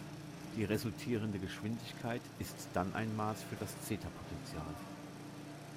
Die resultierende Geschwindigkeit ist dann ein Maß für das Zeta-Potential.